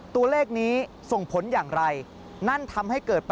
ตัวเลขนี้ทรงผลอย่างไร